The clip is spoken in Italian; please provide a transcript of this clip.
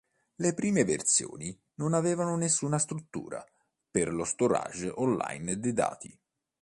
Le prime versioni non avevano nessuna struttura per lo storage online dei dati.